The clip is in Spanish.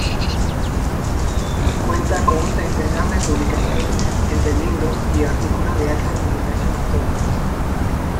Cuenta con un centenar de publicaciones entre libros y artículos de alta divulgación histórica.